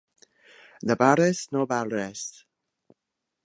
Navarrés no val res.